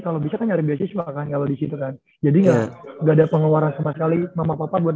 kalau bisa nyari basis banget kan kalau disitu kan jadi gak ada pengeluaran sama sekali mama papa buat